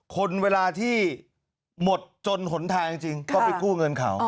คนเวลาที่หมดจนหนทางจริงก็ไปกู้เงินเขา